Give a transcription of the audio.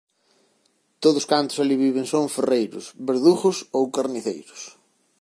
Todos cantos alí viven son ferreiros, verdugos ou carniceiros.